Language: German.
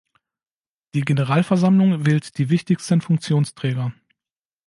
Die Generalversammlung wählt die wichtigsten Funktionsträger.